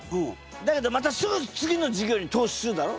だけどまたすぐ次の事業に投資するだろ。